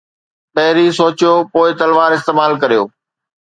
پهرين سوچيو، پوءِ تلوار استعمال ڪريو.